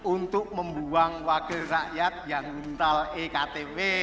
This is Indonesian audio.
untuk membuang wakil rakyat yang mental ektp